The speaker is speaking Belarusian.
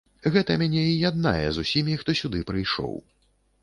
Гэта мяне і яднае з усімі, хто сюды прыйшоў.